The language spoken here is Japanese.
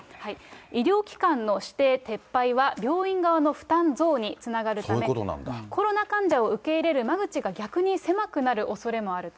医療機関の指定撤廃は病院側の負担増につながるため、コロナ患者を受け入れる間口が逆に狭くなるおそれもあると。